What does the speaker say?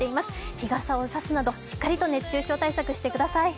日傘を差すなどしっかりと熱中症対策してください。